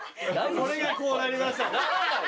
これがこうなりました。